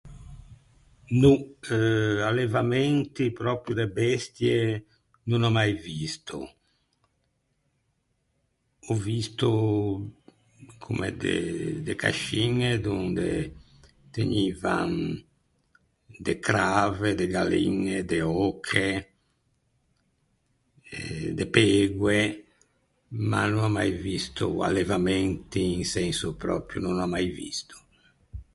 No eh allevamenti pròpio de bestie no n’ò mai visto. Ò visto comme de de casciñe donde tegnivan de crave, de galliñe, de öche eh de pegoe ma no n’ò mai visto allevamenti in senso pròpio, no n’ò mai visto.